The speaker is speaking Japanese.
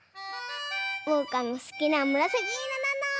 おうかのすきなむらさきいろなの！